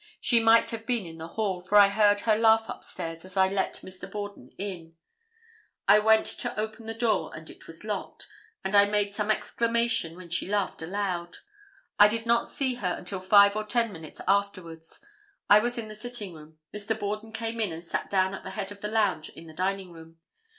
She might have been in the hall, for I heard her laugh upstairs as I let Mr. Borden in. I went to open the door and it was locked, and I made some exclamation when she laughed aloud. I did not see her until five or ten minutes afterwards. I was in the sitting room. Mr. Borden came in and sat down at the head of the lounge in the dining room.